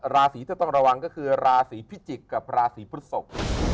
ราศีที่ต้องระวังก็คือราศีพิจิกษ์กับราศีพฤศพ